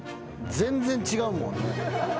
全然違うもんね。